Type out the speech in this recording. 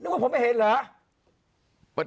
ว่าผมไม่เห็นเหรอ